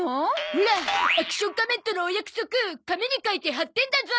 オラアクション仮面とのお約束紙に書いて貼ってんだゾ！